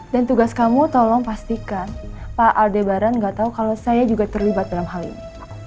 dan tugas kamu tolong pastikan pak aldebaran nggak tahu kalau saya juga terlibat dalam hal ini